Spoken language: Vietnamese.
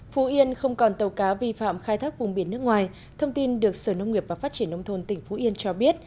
phú yên không còn tàu cá vi phạm khai thác vùng biển nước ngoài thông tin được sở nông nghiệp và phát triển nông thôn tỉnh phú yên cho biết